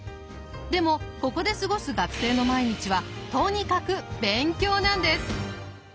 でもここで過ごす学生の毎日はとにかく勉強なんです。